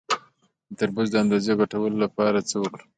د تربوز د اندازې غټولو لپاره څه وکړم؟